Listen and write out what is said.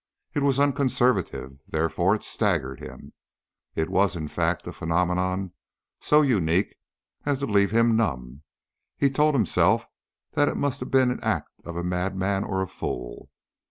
It was unconservative, therefore it staggered him. It was, in fact, a phenomenon so unique as to leave him numb. He told himself that it must have been the act of a madman or a fool.